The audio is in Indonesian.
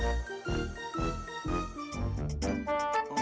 seru apa ini